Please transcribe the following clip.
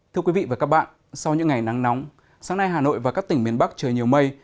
thưa quý vị và các bạn sau những ngày nắng nóng sáng nay hà nội và các tỉnh miền bắc trời nhiều mây